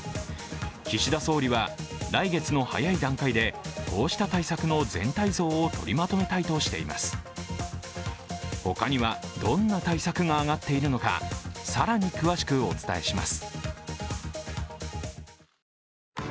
岸田総理は、来月の早い段階でこうした対策の全体像を取りまとめたいとしています。